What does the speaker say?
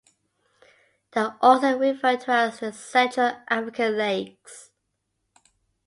They are also referred to as the Central African lakes.